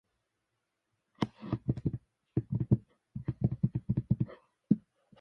A security camera photo was made public after this incident.